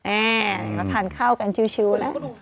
อ่าก็ทานข้าวกันชิวแล้ว